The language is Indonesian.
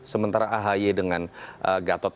sementara ahy dengan gatot